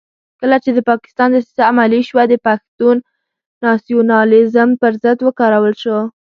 کله چې د پاکستان دسیسه عملي شوه د پښتون ناسیونالېزم پر ضد وکارول شو.